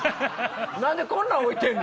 何でこんなん置いてんの？